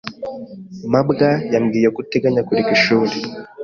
mabwa yambwiye ko uteganya kureka ishuri.